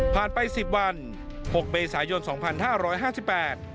ไปสิบวันหกเมษายนสองพันห้าร้อยห้าสิบแปด